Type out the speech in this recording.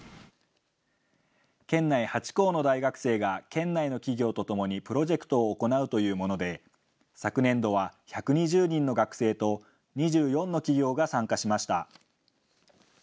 県内８校の大学生が県内の企業とともにプロジェクトを行うというもので、昨年度は１２０人の学生と２４の企業が参加しました。